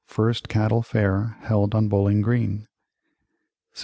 First Cattle Fair held on Bowling Green 1642.